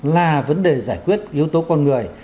là vấn đề giải quyết yếu tố con người